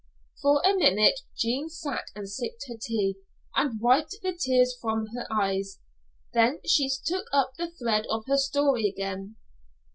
For a minute Jean sat and sipped her tea, and wiped the tears from her eyes; then she took up the thread of her story again.